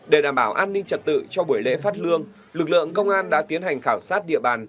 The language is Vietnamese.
để đảm bảo an ninh trật tự cho buổi lễ phát lương lực lượng công an đã tiến hành khảo sát địa bàn